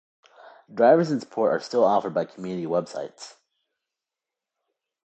Drivers and support are still offered by community websites.